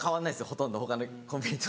ほとんど他のコンビニと。